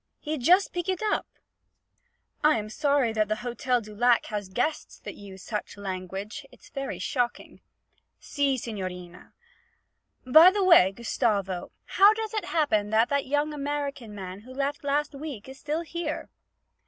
'He jus' pick it up.' 'I'm sorry that the Hotel du Lac has guests that use such language; it's very shocking.' 'Si, signorina.' 'By the way, Gustavo, how does it happen that that young American man who left last week is still here?'